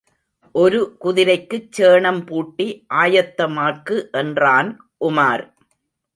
ஒரு குதிரைக்குச் சேணம் பூட்டி, ஆயத்தமாக்கு என்றான் உமார்.